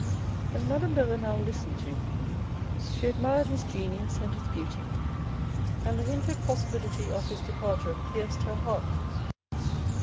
As Madame de Renal listened to him, she admired his genius and his beauty, and the hinted possibility of his departure pierced her heart.